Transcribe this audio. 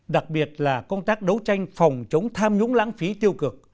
đặc biệt là công tác đấu tranh phòng chống tham nhũng lãng phí tiêu cực